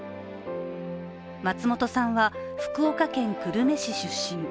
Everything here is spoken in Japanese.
松本さんは福岡県久留米市出身。